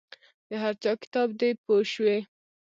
د هر چا کتاب دی پوه شوې!.